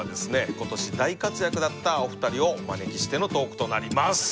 今年大活躍だったお二人をお招きしてのトークとなります。